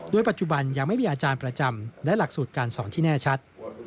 ปัจจุบันยังไม่มีอาจารย์ประจำและหลักสูตรการสอนที่แน่ชัด